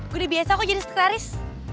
gue udah biasa kok jadi sekretaris